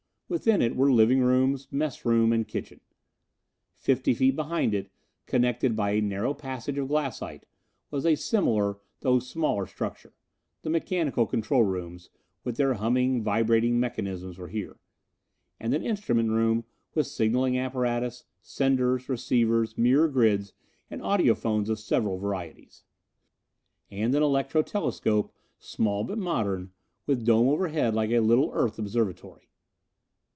Within it were living rooms, messroom and kitchen. Fifty feet behind it, connected by a narrow passage of glassite, was a similar, though smaller structure. The mechanical control rooms, with their humming, vibrating mechanisms were here. And an instrument room with signaling apparatus, senders, receivers, mirror grids and audiphones of several varieties; and an electro telescope, small but modern, with dome overhead like a little Earth observatory.